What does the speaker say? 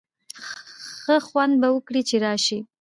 ښه خوند به وکړي چي راسی.